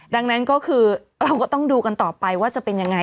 ดังนั้นก็คือเราก็ต้องดูกันต่อไปว่าจะเป็นยังไง